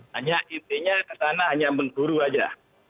hanya intinya ke sana hanya mengguru saja